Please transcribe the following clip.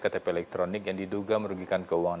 ktp elektronik yang diduga merugikan keuangan